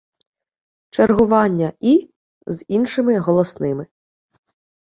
Чергування і з іншими голосними